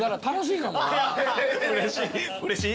うれしい。